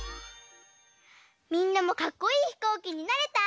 みんなもかっこいいひこうきになれた？